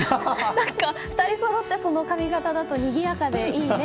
２人そろってその髪形だとにぎやかでいいね。